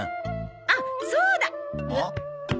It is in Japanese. あっそうだ！おっ？